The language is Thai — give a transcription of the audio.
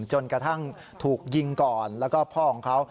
จนกระทั่งถูกยิงก่อนแล้วก็พ่อของเขา